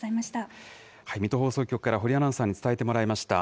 水戸放送局から保里アナウンサーに伝えてもらいました。